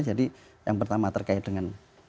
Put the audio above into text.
jadi yang pertama terkait dengan